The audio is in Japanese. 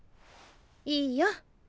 いいよ。